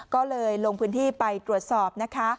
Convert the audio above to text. ก็เลยลงพื้นที่ไปตรวจสอบนะคะ